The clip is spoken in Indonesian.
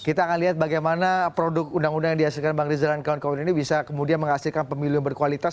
kita akan lihat bagaimana produk undang undang yang dihasilkan bang rizal dan kawan kawan ini bisa kemudian menghasilkan pemilu yang berkualitas